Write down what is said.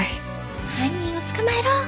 犯人を捕まえろ！